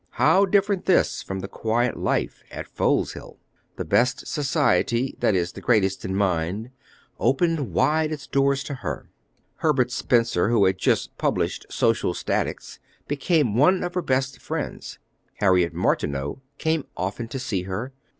How different this from the quiet life at Foleshill! The best society, that is, the greatest in mind, opened wide its doors to her. Herbert Spencer, who had just published Social Statics, became one of her best friends. Harriet Martineau came often to see her.